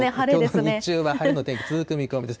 日中は晴れの天気、続く見込みです。